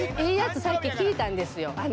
いいやつさっき聞いたんですよ